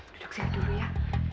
duduk saya dulu ya